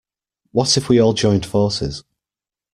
What if we all joined forces?